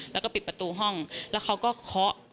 แล้วก็ปิดประตูห้องแล้วเขาก็เคาะ